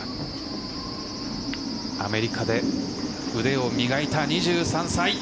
アメリカで腕を磨いた２３歳。